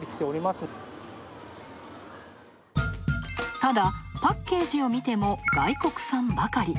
ただ、パッケージを見ても外国産ばかり。